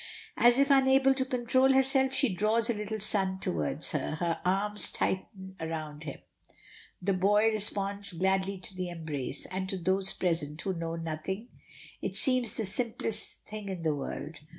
As if unable to control herself she draws her little son towards her; her arms tighten round him. The boy responds gladly to the embrace, and to those present who know nothing, it seems the simplest thing in the world.